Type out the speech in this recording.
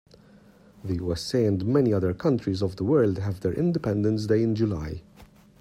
The USA and many other countries of the world have their independence day in July.